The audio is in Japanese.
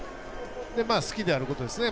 好きであることですね。